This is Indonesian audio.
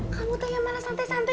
kamu tanya mana santai santai